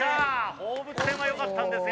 放物線はよかったんですが。